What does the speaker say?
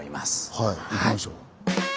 はい行きましょう。